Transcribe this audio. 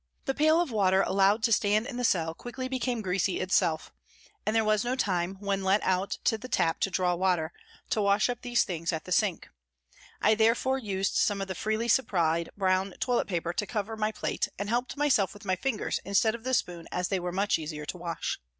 The pail of water allowed to stand in the cell quickly became greasy itself, and there was no time, when let out to the tap to draw water, to wash up these things at the sink. I therefore used some of the freely supplied brown toilet paper to cover my plate and helped myself with my fingers instead of the spoon as they were much easier to wash.